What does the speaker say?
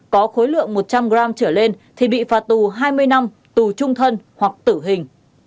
có khối lượng một trăm linh gram trở lên thì bị phạt tù hai mươi năm tù trung thân hoặc tử hình